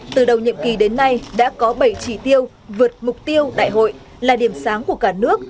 từ đầu nhiệm kỳ đến nay đã có bảy trị tiêu vượt mục tiêu đại hội là điểm sáng của cả nước